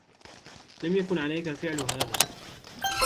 لم يكن عليك فعل هذا.